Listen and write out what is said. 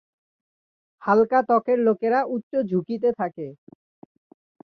হালকা ত্বকের লোকেরা উচ্চ ঝুঁকিতে থাকে।